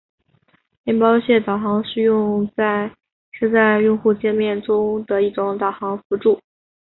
面包屑导航是在用户界面中的一种导航辅助。